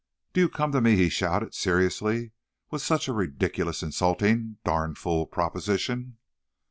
"Do you come to me," he shouted, "seriously with such a ridiculous, insulting, darned fool proposition?"